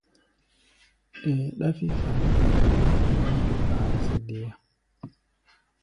Ɛɛ ɗáfí fará-ɔ-nu, mɔɔ́ de kpaa zɛ deá.